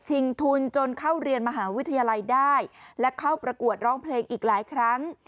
ทุนจนเข้าเรียนมหาวิทยาลัยได้และเข้าประกวดร้องเพลงอีกหลายครั้ง